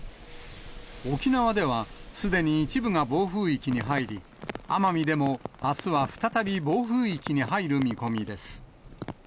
沖縄ではすでに一部が暴風域に入り、奄美でもあすは再び暴風域に入る見込みです。